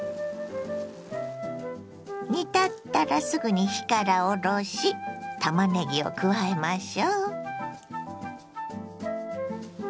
煮立ったらすぐに火から下ろしたまねぎを加えましょ。